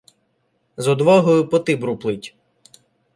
З одвагою по Тибру плить.